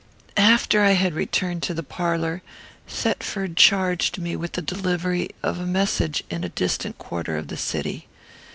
"After I had returned to the parlour, Thetford charged me with the delivery of a message in a distant quarter of the city.